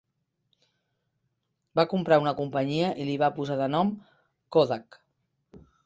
Va comprar una companyia i li va posar de nom "Kodak".